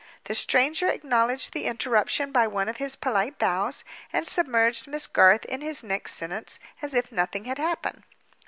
The stranger acknowledged the interruption by one of his polite bows, and submerged Miss Garth in his next sentence as if nothing had happened.